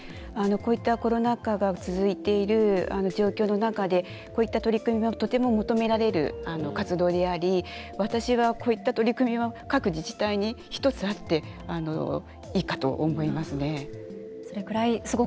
こういったコロナ禍が続いている状況の中でこういった取り組みは求められる活動であり私は、こういった取り組みが各自治体に１つあっていいかと思いますね。